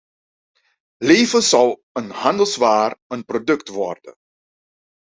Leven zou een handelswaar, een product worden.